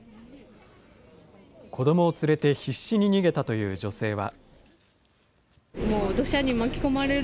子ども連れて必死に逃げたという女性は。